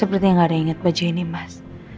seperti gak ada yang inget baju ini mas